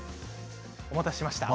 お待たせしました。